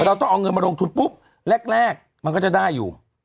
เราต้องเอาเงินมาลงทุนปุ๊บแรกมันก็จะได้อยู่